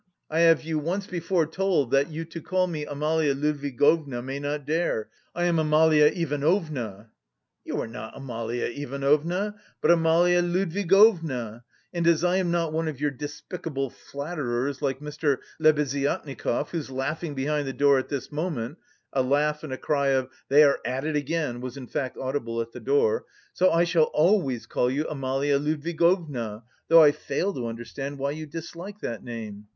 "I have you once before told that you to call me Amalia Ludwigovna may not dare; I am Amalia Ivanovna." "You are not Amalia Ivanovna, but Amalia Ludwigovna, and as I am not one of your despicable flatterers like Mr. Lebeziatnikov, who's laughing behind the door at this moment (a laugh and a cry of 'they are at it again' was in fact audible at the door) so I shall always call you Amalia Ludwigovna, though I fail to understand why you dislike that name.